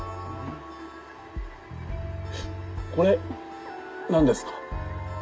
「これ何ですか？」。